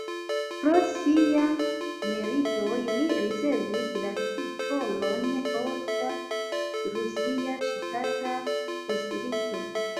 Pro siaj meritoj li ricevis la titolon "Orda rusia ŝtata konsilisto".